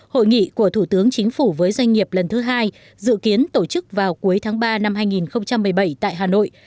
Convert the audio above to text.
hội nghị của thủ tướng chính phủ với doanh nghiệp lần thứ hai dự kiến tổ chức vào cuối tháng ba năm hai nghìn một mươi bảy tại hà nội